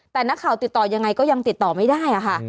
แต่นักข่าวติดต่อยังไงก็ยังติดต่อไม่ได้ค่ะ